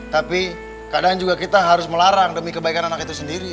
tapi kadang juga kita harus melarang demi kebaikan anak itu sendiri